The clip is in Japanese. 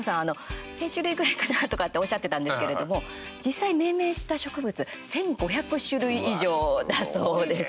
１０００種類くらいかなとかっておっしゃってたんですけれども実際、命名した植物１５００種類以上だそうです。